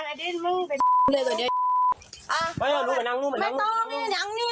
ไม่แต่ลูกน้องผู้ชายไปนั่งนู้นลูกไปนั่งนู้น